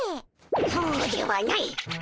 そうではないっ。